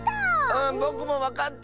うんぼくもわかった！